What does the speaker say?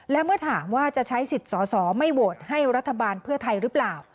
และเมื่อถามว่าจะใช้สิทธิ์สอสอไม่โหวตให้รัฐบาลเพื่อไทยหรือเปล่า